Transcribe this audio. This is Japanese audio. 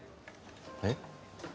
えっ？